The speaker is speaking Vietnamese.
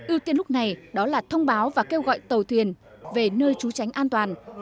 ưu tiên lúc này đó là thông báo và kêu gọi tàu thuyền về nơi trú tránh an toàn